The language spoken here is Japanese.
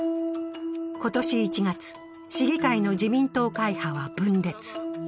今年１月、市議会の自民党会派は分裂。